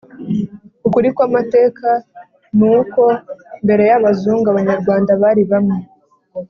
ukuri kw'amateka ni uko mbere y'abazungu, abanyarwanda bari bamwe